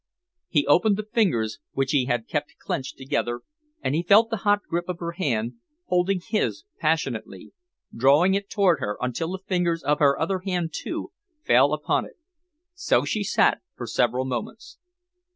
He opened the fingers which he had kept clenched together, and he felt the hot grip of her hand, holding his passionately, drawing it toward her until the fingers of her other hand, too, fell upon it. So she sat for several moments.